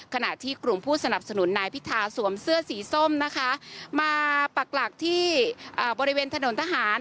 ขณะที่กลุ่มผู้สนับสนุนนายพิธาสวมเสื้อสีส้มนะคะมาปักหลักที่บริเวณถนนทหาร